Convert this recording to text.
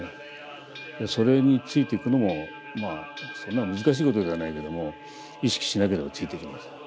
それについていくのもまあそんな難しいことではないけども意識しなければついていけません。